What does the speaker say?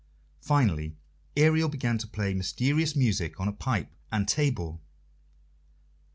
Finally Ariel began to play mysterious music on a pipe and tabor.